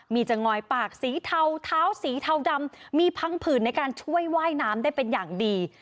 มีจะงอยปากสีเทาเท้าสีเทาดำมีพังผื่นในการช่วยว่ายน้ำได้เป็นอย่างดี